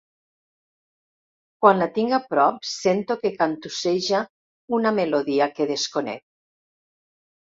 Quan la tinc a prop sento que cantusseja una melodia que desconec.